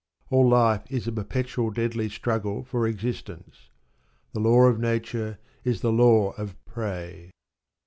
All life is a perpetual deadly struggle for existence. The law of nature is the law of prey.